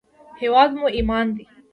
هېواد مو ایمان دی